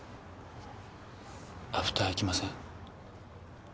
アフター行きません？